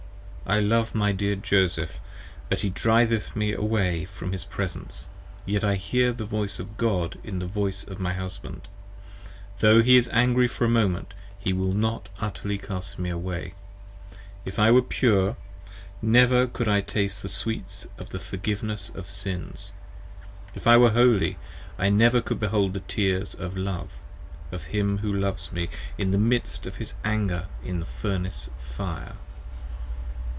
I love my dear Joseph, But he driveth me away from his presence, yet I hear the voice of God 10 In the voice of my Husband: tho' he is angry for a moment, he will not Utterly cast me away : if I were pure, never could I taste the sweets Of the Forgive[ne]ss of Sins; if I were holy, I never could behold the tears Of love! of him who loves me in the midst of his anger in furnace of fire.